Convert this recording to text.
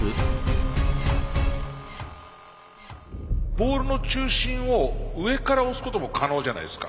ボールの中心を上から押すことも可能じゃないですか。